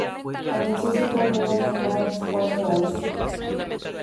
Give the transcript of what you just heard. Comenzó su carrera en el East Coast Bays.